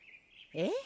えっ？